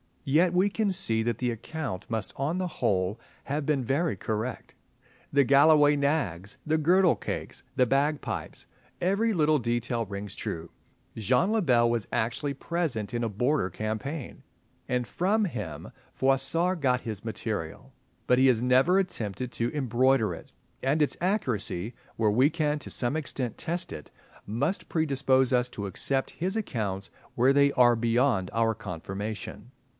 Yet we can see that the account must on the whole have been very correct. The Galloway nags, the girdle cakes, the bagpipes—every little detail rings true. Jean le Bel was actually present in a Border campaign, and from him Froissart got his material; but he has never attempted to embroider it, and its accuracy, where we can to some extent test it, must predispose us to accept his accounts where they are beyond our confirmation.